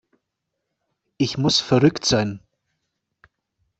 Ich muss verrückt sein.